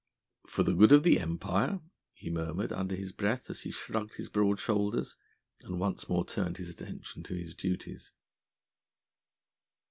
"For the good of the Empire?" he murmured under his breath as he shrugged his broad shoulders and once more turned his attention to his duties.